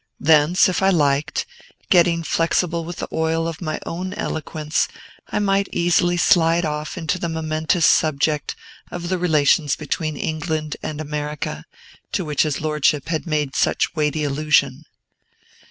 Thence, if I liked, getting flexible with the oil of my own eloquence, I might easily slide off into the momentous subject of the relations between England and America, to which his Lordship had made such weighty allusion.